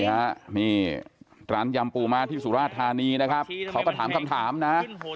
นี่ครับมีการยำปูมาที่สุรธานีนะครับเขาก็ถามคำถามนะ